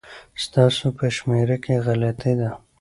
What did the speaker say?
ستاسو په شمېره کي غلطي ده